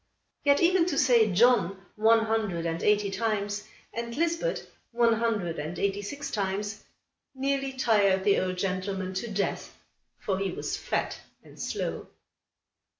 Yet even to say "John" one hundred and eighty times, and "Lisbet" one hundred and eighty six times, nearly tired the old gentleman to death, for he was fat and slow.